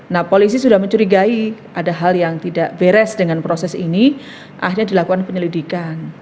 nah polisi sudah mencurigai ada hal yang tidak beres dengan proses ini akhirnya dilakukan penyelidikan